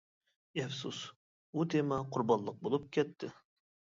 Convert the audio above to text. ئەپسۇس ئۇ تېما قۇربانلىق بولۇپ كەتتى.